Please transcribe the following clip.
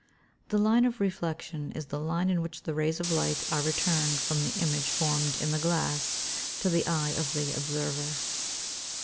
_ The line of reflection is the line in which the rays of light are returned from the image formed in the glass to the eye of the observer.